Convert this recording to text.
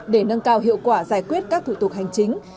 để nâng cao hiệu quả giải quyết các thủ tục hành chính